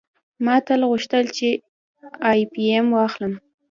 ما تل غوښتل چې آی بي ایم واخلم